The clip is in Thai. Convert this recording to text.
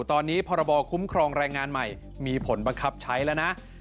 ตอนนี้พรบคุ้มครองแรงงานใหม่มีผลบังคับใช้แล้วนะ